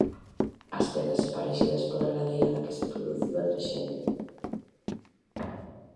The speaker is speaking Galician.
As pezas esparexidas pola ladeira na que se produciu a traxedia.